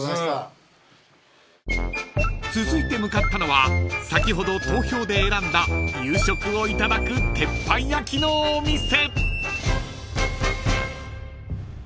［続いて向かったのは先ほど投票で選んだ夕食を頂く鉄板焼きのお店］